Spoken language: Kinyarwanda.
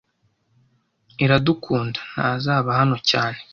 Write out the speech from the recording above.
Iradukunda ntazaba hano cyane.